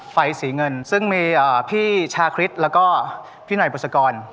ไฟสีเงินซึ่งมีพี่ชาคริสแล้วก็พี่หน่อยบุษกร